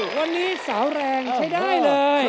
วันนี้สาวแรงใช้ได้เลย